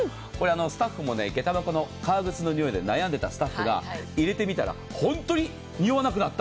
スタッフも下駄箱の革靴のにおいで悩んでいたスタッフが入れてみたら本当ににおわなくなった。